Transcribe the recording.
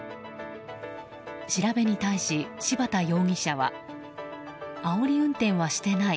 調べに対し、柴田容疑者はあおり運転はしてない。